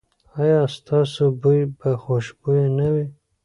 ایا ستاسو بوی به خوشبويه نه وي؟